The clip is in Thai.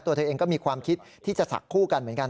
ตัวเธอเองก็มีความคิดที่จะศักดิ์คู่กันเหมือนกัน